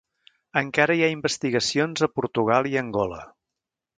Encara hi ha investigacions a Portugal i Angola.